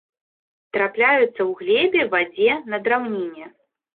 Трапляюцца ў глебе, вадзе, на драўніне.